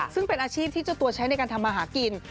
ซึ่งเป็นอาชีพที่เจ้าตัวใช้ในการทำมาหากิน